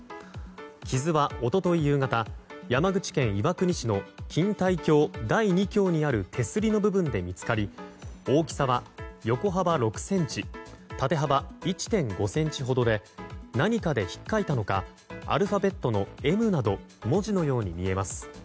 傷は、一昨日夕方山口県岩国市の錦帯橋第２橋にある手すりの部分で見つかり大きさは、横幅６ｃｍ縦幅１．５ｃｍほどで何かで引っかいたのかアルファベットの「Ｍ」など文字のように見えます。